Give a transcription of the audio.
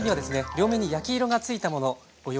両面に焼き色がついたものご用意しています。